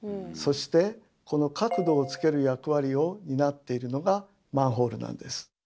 そしてこの角度をつける役割を担っているのがマンホールなんです。